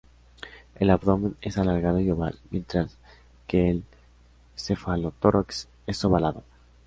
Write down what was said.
El abdomen es alargado y oval, mientras que el cefalotórax es ovalado.